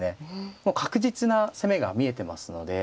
確実な攻めが見えてますので。